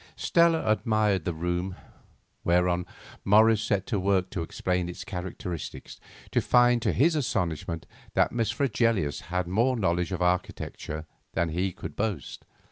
Stella admired the room; whereon Morris set to work to explain its characteristics, to find, to his astonishment, that Miss Fregelius had more knowledge of architecture than he could boast.